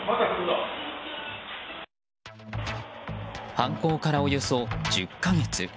犯行からおよそ１０か月。